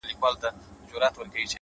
• دا غمى اوس له بــازاره دى لوېـدلى ـ